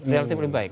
relatif lebih baik